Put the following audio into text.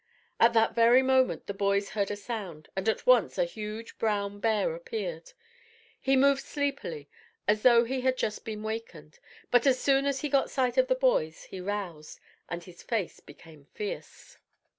At that very moment the boys heard a sound, and at once a huge brown bear appeared. He moved sleepily, as though he had just been wakened, but as soon as he got sight of the boys he roused, and his face became fierce.